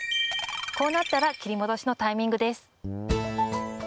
こうなったら切り戻しのタイミングです。